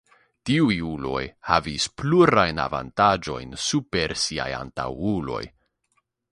Tiuj ujoj havis plurajn avantaĝojn super siaj antaŭuloj.